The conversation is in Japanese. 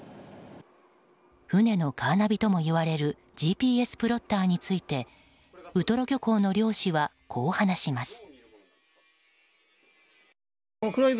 船のカーナビとも呼ばれるＧＰＳプロッターについてウトロ漁港の漁師はこう話します。